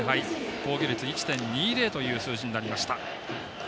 防御率１．２０という数字になりました。